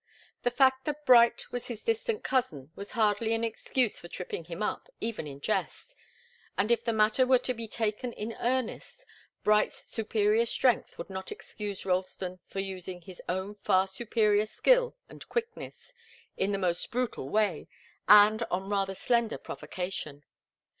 The fact that Bright was his distant cousin was hardly an excuse for tripping him up even in jest, and if the matter were to be taken in earnest, Bright's superior strength would not excuse Ralston for using his own far superior skill and quickness, in the most brutal way, and on rather slender provocation.